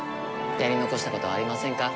やり残したことはありませんか？